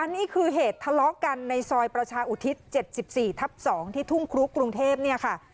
นี่คือเหตุทะเลาะกันในซอยประชาอุทิศ๗๔ทับ๒ที่ทุ่งครุกกรุงเทพเนี่ยค่ะ